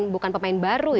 bukan pemain baru ya